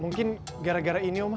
mungkin gara gara ini omah